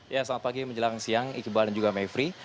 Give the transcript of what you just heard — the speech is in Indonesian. ya selamat pagi menjelang siang iqbal dan juga mayfri